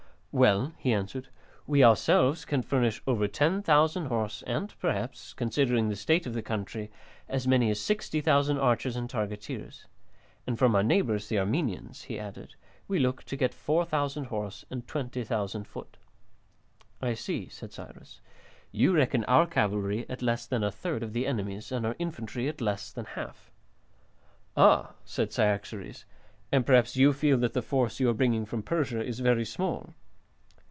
"Well," he answered, "we ourselves can furnish over 10,000 horse and perhaps, considering the state of the country, as many as 60,000 archers and targeteers. And from our neighbours, the Armenians," he added, "we look to get 4000 horse and 20,000 foot." "I see," said Cyrus, "you reckon our cavalry at less than a third of the enemy's, and our infantry at less than half." "Ah," said Cyaxares, "and perhaps you feel that the force you are bringing from Persia is very small?"